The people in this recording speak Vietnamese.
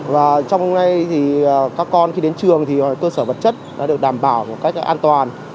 và trong ngay thì các con khi đến trường thì cơ sở vật chất đã được đảm bảo một cách an toàn